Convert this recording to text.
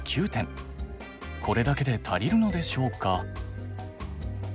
これだけで足りるのでしょうか？